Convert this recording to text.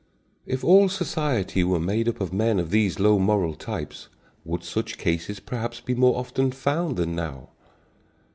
If all society were made up of men of these low moral types, would such cases perhaps be more often found than now?